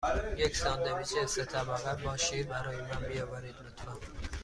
یک ساندویچ سه طبقه با شیر برای من بیاورید، لطفاً.